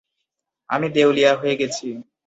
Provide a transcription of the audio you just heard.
আমি দেউলিয়া হয়ে গেছি।